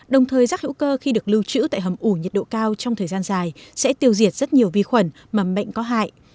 đồng thời rác hữu cơ khi được lưu trữ tại hầm ủ nhiệt độ cao trong thời gian dài sẽ tiêu diệt rất nhiều vi khuẩn mà bệnh có hại